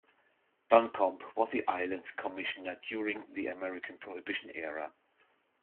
Duncombe was the island's commissioner during the American Prohibition Era.